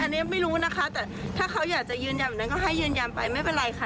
อันนี้ไม่รู้นะคะแต่ถ้าเขาอยากจะยืนยันแบบนั้นก็ให้ยืนยันไปไม่เป็นไรค่ะ